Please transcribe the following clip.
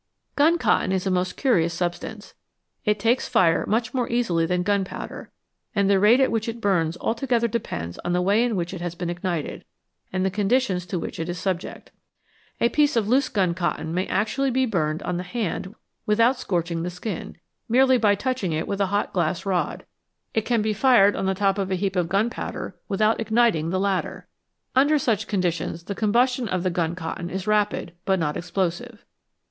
Gun cotton is a most curious substance. It takes fire much more easily than gunpowder, and the rate at which it burns altogether depends on the way in which it has been ignited, and the conditions to which it is subject. A piece of loose gun cotton may actually be burned on the hand without scorching the skin, merely by touching it with a hot glass rod ; it can be fired on the top of a heap of gunpowder without igniting the latter. Under such conditions the combustion of the gun cotton is rapid, but not explosive.